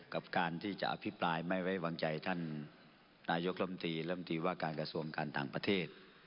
กับการที่จะอภิปรายไม่ไว้วางใจท่านนายกรรมตรีลำตีว่าการกระทรวงการต่างประเทศ